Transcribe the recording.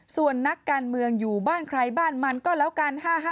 ส่วนนักการเมืองอยู่บ้านใครบ้านมันก็แล้วกัน๕๕